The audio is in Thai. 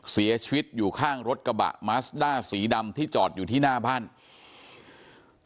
เสียชีวิตอยู่ข้างรถกระบะมัสด้าสีดำที่จอดอยู่ที่หน้าบ้าน